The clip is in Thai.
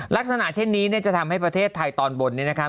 ลักษณะเช่นนี้เนี่ยจะทำให้ประเทศไทยตอนบนนี้นะครับ